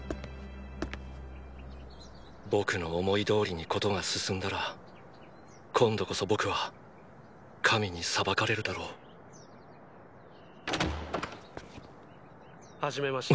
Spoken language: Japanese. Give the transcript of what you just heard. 僕の思いどおりにことが進んだら今度こそ僕は神に裁かれるだろう・初めまして。